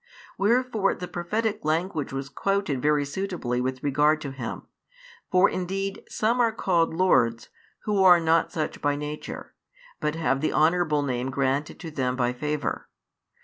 Wherefore the prophetic language was quoted very suitably with regard to Him. For indeed some are called lords, who are not such by nature, but have the honourable name granted to them by favour.